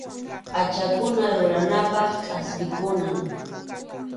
Pʼachakuna ruranapaq kʼaspikunam.